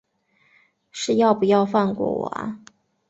是要不要放过我啊